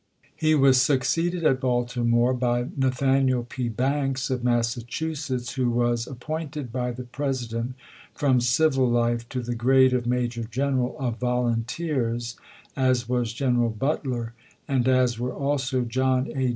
He was succeeded at Baltimore by Nathaniel P. Banks of Massachusetts, who was appointed by the President from civil life to the grade of major general of volunteers, as was General Butler, and as were also John A.